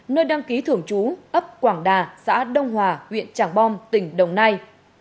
nơi đăng ký thưởng chú ấp quảng đà xã đông hòa huyện tràng bom tỉnh đồng nai